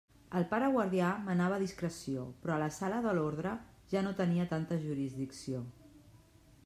El pare guardià manava discreció, però a la sala de l'orde ja no tenia tanta jurisdicció.